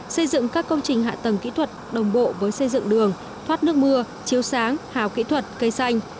xây dựng các công trình hạ tầng kỹ thuật đồng bộ với xây dựng đường thoát nước mưa chiếu sáng hào kỹ thuật cây xanh